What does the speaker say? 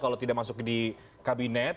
kalau tidak masuk di kabinet